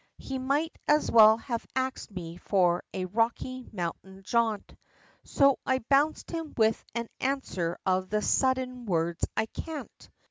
He might as well have axed me, for a Rocky Mountain jaunt; So I bounced him with an answer of the sudden words, "I can't!"